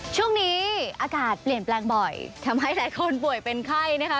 ช่วงนี้อากาศเปลี่ยนแปลงบ่อยทำให้หลายคนป่วยเป็นไข้นะคะ